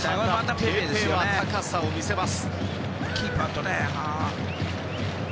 ペペ、高さを見せます。